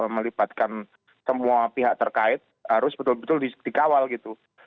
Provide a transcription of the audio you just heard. melibatkan semua pihak terkait harus betul betul dikawal gitu